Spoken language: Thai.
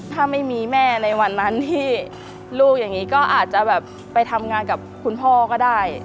ถ้าไม่มีแม่ในวันนั้นที่ลูกอย่างนี้ก็อาจจะแบบไปทำงานกับคุณพ่อก็ได้